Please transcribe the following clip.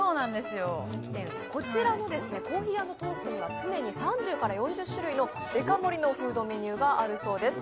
こちらのＣｏｆｆｅｅ＆ｔｏａｓｔには常に３０から４０種類のデカ盛りのフードメニューがあるそうです。